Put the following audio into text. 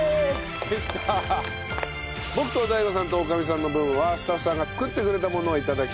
僕とＤＡＩＧＯさんと女将さんの分はスタッフさんが作ってくれたものを頂きたいと思います。